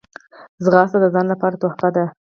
ځغاسته د ځان لپاره تحفه ده